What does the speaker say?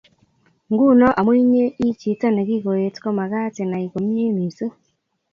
Nguno amu inye ii chito ne kikoet komagat inai komie missing